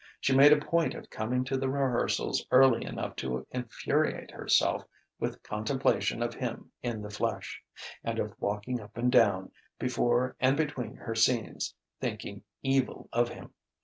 She made a point of coming to the rehearsals early enough to infuriate herself with contemplation of him in the flesh; and of walking up and down, before and between her scenes, thinking evil of him.